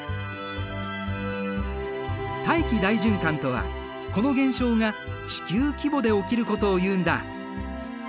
大気大循環とはこの現象が地球規模で起きることをいうんだ。